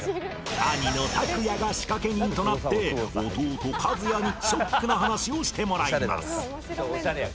兄のたくやが仕掛け人となって弟かずやにショックな話をしてもらいます